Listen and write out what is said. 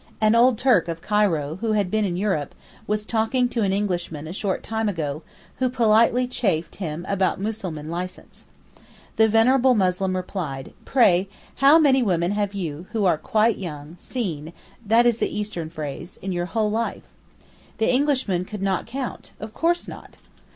An old Turk of Cairo, who had been in Europe, was talking to an Englishman a short time ago, who politely chaffed him about Mussulman license. The venerable Muslim replied, 'Pray, how many women have you, who are quite young, seen (that is the Eastern phrase) in your whole life?' The Englishman could not count—of course not.